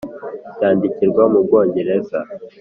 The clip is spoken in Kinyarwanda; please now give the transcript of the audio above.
cyandikirwa mu bwongereza,